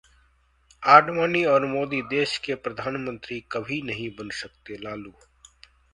आडवाणी और मोदी देश के प्रधानमंत्री कभी नहीं बन सकते: लालू